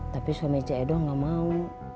tapi suami c edho gak mau